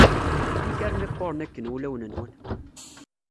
Amek armi qquren akken wulawen-nwen?